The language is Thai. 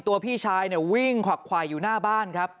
ตัวพี่ชายวิ่งควักควายอยู่หน้าบ้าน